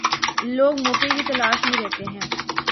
لوگ موقع کی تلاش میں رہتے ہیں۔